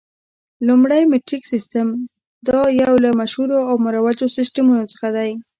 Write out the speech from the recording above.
لومړی میټریک سیسټم، دا یو له مشهورو او مروجو سیسټمونو څخه دی.